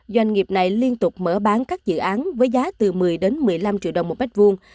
doanh nghiệp này liên tục mở bán các dự án với giá từ một mươi đến một mươi năm triệu đồng một mét vuông